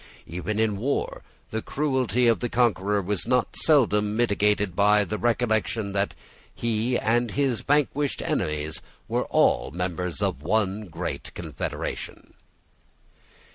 Even in war, the cruelty of the conqueror was not seldom mitigated by the recollection that he and his vanquished enemies were all members of one great federation.